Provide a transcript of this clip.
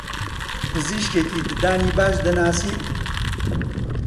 پزیشکێکی ددانی باش دەناسیت؟